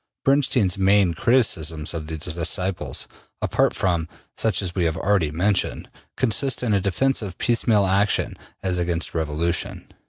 Bernstein's main criticisms of these disciples, apart from such as we have already mentioned, consist in a defense of piecemeal action as against revolution.